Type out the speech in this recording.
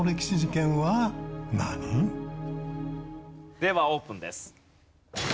ではオープンです。